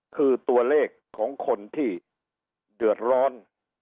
คือตัวเลขของคนที่เดือดร้อน